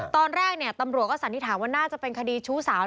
ตอนแรกตำรวจก็สันนิษฐานว่าน่าจะเป็นคดีชู้สาว